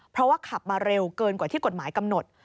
เพราะว่าขับมาเร็วเกินกว่าที่กฎหมายกำหนด